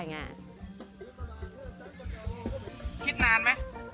คิดนานไหม